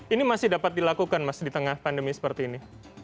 ini masih dapat dilakukan mas di tengah pandemi seperti ini